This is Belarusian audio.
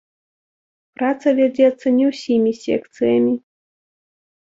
Праца вядзецца не ўсімі секцыямі.